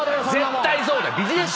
絶対そうだ！